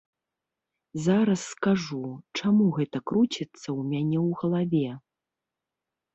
Зараз скажу, чаму гэта круціцца ў мяне ў галаве.